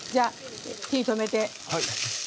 火を止めて。